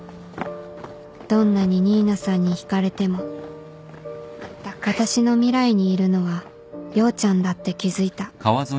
どんなに新名さんに引かれても私の未来にいるのは陽ちゃんだって気付いた